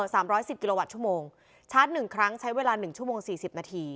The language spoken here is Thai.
สามร้อยสิบกิโลวัตต์ชั่วโมงชาร์จหนึ่งครั้งใช้เวลาหนึ่งชั่วโมงสี่สิบนาที